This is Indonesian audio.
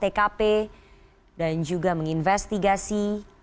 tkp dan juga menginvestigasi